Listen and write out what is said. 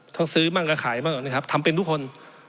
ต้องซื้อบ้างกระขายบ้างก็ทำเป็นทุกคน